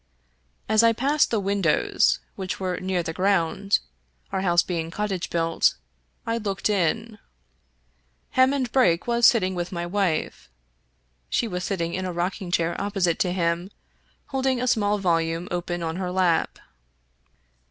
As I passed the windows — which were near the ground, our house being cottage built — I looked in. Hammond Brake was sitting with my wife. She was sitting in a rocking chair opposite to him, holding a small volume open on her lap.